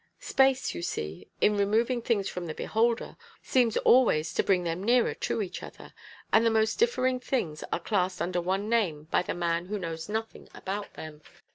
"Space, you see, in removing things from the beholder, seems always to bring them nearer to each other, and the most differing things are classed under one name by the man who knows nothing about them.